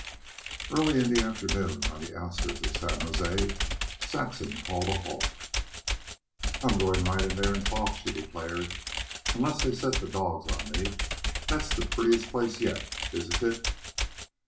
Early in the afternoon, on the outskirts of San Jose, Saxon called a halt. "I'm going right in there and talk," she declared, "unless they set the dogs on me. That's the prettiest place yet, isn't it?"